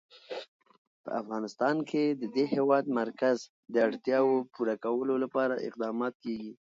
په افغانستان کې د د هېواد مرکز د اړتیاوو پوره کولو لپاره اقدامات کېږي.